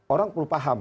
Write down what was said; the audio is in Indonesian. orang perlu paham